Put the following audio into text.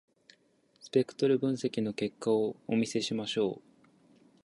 スペクトル分析の結果をお見せしましょう。